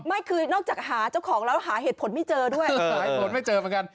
ไม่คือนอกจากหาเจ้าของแล้วหาเหตุผลไม่เจอด้วย